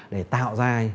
để tạo ra